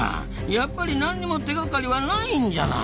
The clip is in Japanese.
やっぱり何も手がかりは無いんじゃない。